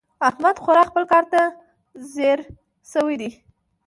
احمد خورا خپل کار ته ځيږ شوی دی.